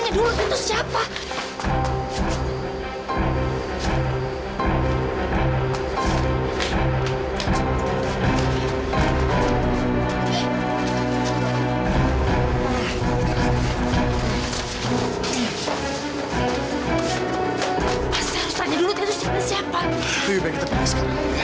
lalu kita pergi sekarang